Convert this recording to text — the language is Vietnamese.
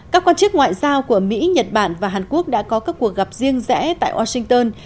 các quan chức ngoại giao của mỹ nhật bản và hàn quốc đã có các cuộc gặp riêng rẽ tại washington